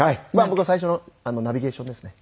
僕は最初のナビゲーションですね。